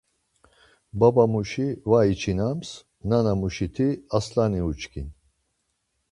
Baba muşi var içinams, nana muşiti aslani uçkin.